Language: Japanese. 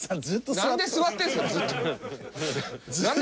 なんで座ってるんですか？